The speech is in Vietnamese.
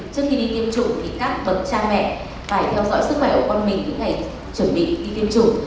trước khi đi tiêm chủng thì các bậc cha mẹ phải theo dõi sức khỏe của con mình những ngày chuẩn bị đi tiêm chủng